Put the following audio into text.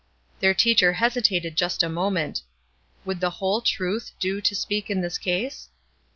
Their teacher hesitated just a moment. Would the "whole truth" do to speak in this case?